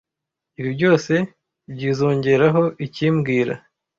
Ibi byose byizoongeraho iki mbwira